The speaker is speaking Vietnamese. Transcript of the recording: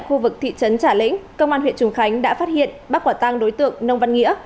tại khu vực thị trấn trả lĩnh công an huyện trùng khánh đã phát hiện bác quả tang đối tượng nông văn nghĩa